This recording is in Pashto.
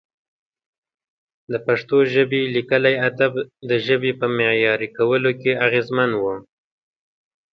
د پښتو ژبې لیکلي ادب د ژبې په معیاري کولو کې اغېزمن و.